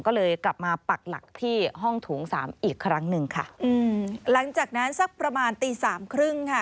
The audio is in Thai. ก็เลยกลับมาปักหลักที่ห้องโถงสามอีกครั้งหนึ่งค่ะอืมหลังจากนั้นสักประมาณตีสามครึ่งค่ะ